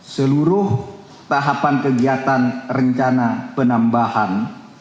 seluruh tahapan kegiatan rencana penambahan